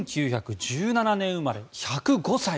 １９１７年生まれ、１０５歳。